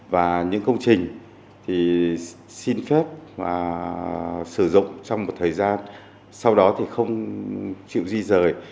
và những công trình thì xin phép sử dụng trong một thời gian sau đó thì không chịu di rời